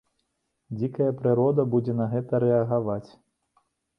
Дзікая прырода будзе на гэта рэагаваць.